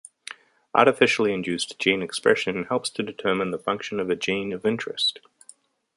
Artificially induced gene expression helps to determine the function of a gene of interest.